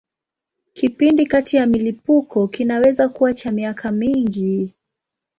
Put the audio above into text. Kipindi kati ya milipuko kinaweza kuwa cha miaka mingi.